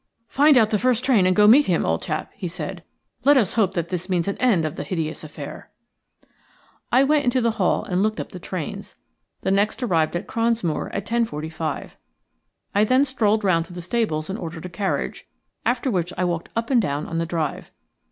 "Find out the first train and go and meet him, old chap," he said. "Let us hope that this means an end of the hideous affair." I went into the hall and looked up the trains. The next arrived at Cronsmoor at 10.45. I then strolled round to the stables and ordered a carriage, after which I walked up and down on the drive.